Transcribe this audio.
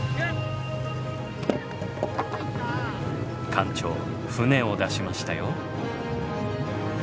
館長船を出しましたよ。